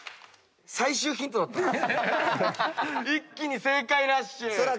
一気に正解ラッシュ。